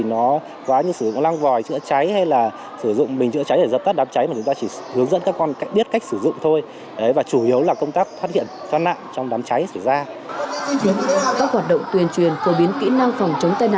nó quá như sử dụng lăng vòi chữa cháy